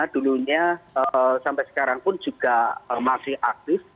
dulunya sampai sekarang pun juga masih aktif